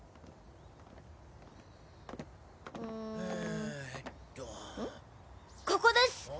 んここです！